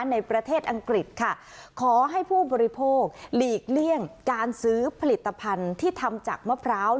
ในประเทศอังกฤษค่ะขอให้ผู้บริโภคหลีกเลี่ยงการซื้อผลิตภัณฑ์ที่ทำจากมะพร้าว